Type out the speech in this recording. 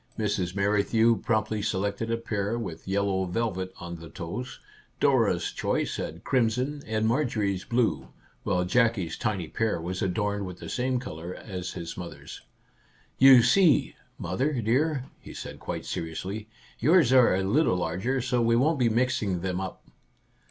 Mrs. Merrithew promptly selected a pair with yellow velvet on the toes ; Dora's choice had crimson, and Marjorie's blue, while Jackie's tiny pair was adorned with the same colour as his mother's. " You see, mother dear," he said quite seri ously, " yours are a little larger, so we won't be mixing them up